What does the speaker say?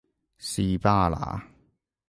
士巴拿